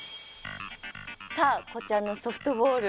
さあこちらのソフトボール。